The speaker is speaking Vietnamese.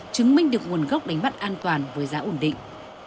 chứng minh được nguồn gốc đánh bắt an toàn với giá ổn định